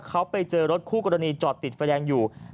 เขาไปเจอรถคู่กรณีจอดติดไฟแดงอยู่